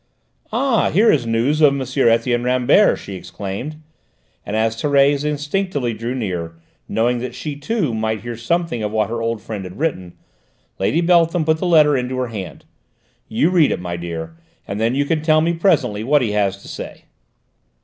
"Ah, here is news of M. Etienne Rambert," she exclaimed, and as Thérèse instinctively drew near, knowing that she, too, might hear something of what her old friend had written, Lady Beltham put the letter into her hand. "You read it, my dear, and then you can tell me presently what he has to say."